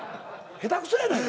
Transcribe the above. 下手くそやないか。